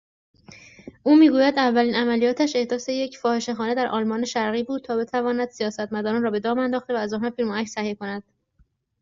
او میگوید اولین عملیاتش احداث یک فاحشهخانه در آلمان شرقی بود تا بتواند سیاستمداران را به دام انداخته و از آنها فیلم و عکس تهیه کند